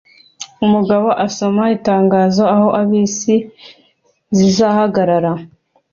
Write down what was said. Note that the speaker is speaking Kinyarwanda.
Umugabo asoma itangazo aho bisi zihagarara